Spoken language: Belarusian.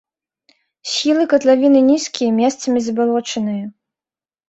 Схілы катлавіны нізкія, месцамі забалочаныя.